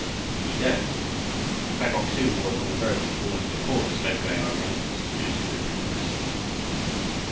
Would he go? Kai Bok su was on the road almost before the slow going Orientals had finished delivering the message.